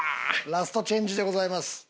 ラストチェンジでございます。